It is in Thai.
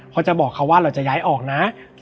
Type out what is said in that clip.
เขาจะบอกเขาว่าเราจะย้ายออกนะ